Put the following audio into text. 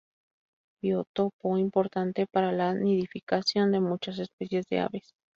Biotopo importante para la nidificación de muchas especies de aves.